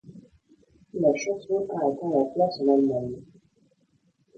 La chanson a atteint la place en Allemagne.